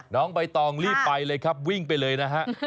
น้องใบตองรีบไปเลยครับวิ่งไปเลยนะฮะ